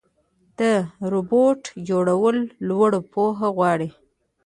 د روبوټ جوړول لوړه پوهه غواړي.